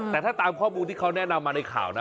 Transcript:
แต่ถ้าตามข้อมูลที่เขาแนะนำมาในข่าวนะ